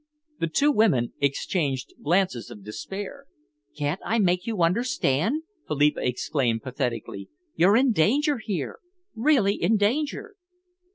The two women exchanged glances of despair. "Can't I make you understand!" Philippa exclaimed pathetically. "You're in danger here really in danger!"